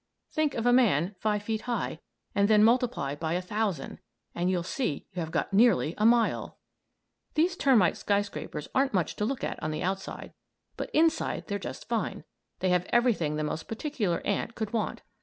Think of a man five feet high and then multiply by one thousand, and you see you have got nearly a mile."] These termite skyscrapers aren't much to look at on the outside, but inside they're just fine; they have everything the most particular ant could want.